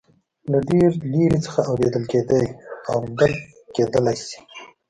له ډېرې لرې څخه اورېدل کېدای او درک کېدلای شي.